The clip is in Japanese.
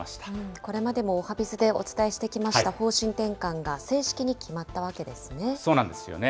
これまでもおはＢｉｚでお伝えしてきました方針転換が、正式そうなんですよね。